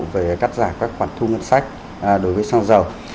về cắt giảm các khoản thu ngân sách đối với xăng dầu